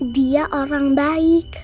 dia orang baik